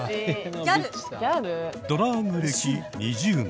ドラァグ歴２０年。